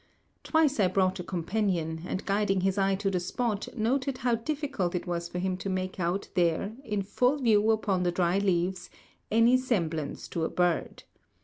Twice I brought a companion, and guiding his eye to the spot, noted how difficult it was for him to make out there, in full view upon the dry leaves, any semblance to a bird.